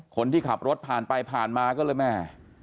คนที่ขับรถผ่านไปผ่านมาก็เลยแม่